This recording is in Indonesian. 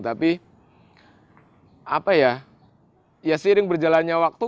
tapi apa ya ya sering berjalannya waktu